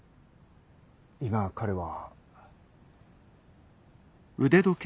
今彼は。